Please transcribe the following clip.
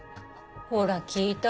ほら聞いた？